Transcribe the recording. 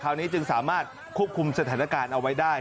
นี้จึงสามารถควบคุมสถานการณ์เอาไว้ได้